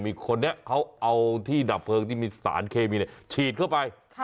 มีคนนี้เขาเอาที่ดับเพลิงที่มีสารเคมีฉีดเข้าไป